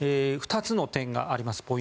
２つの点があります。